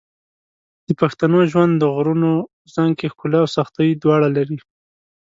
د پښتنو ژوند د غرونو په څنګ کې ښکلا او سختۍ دواړه لري.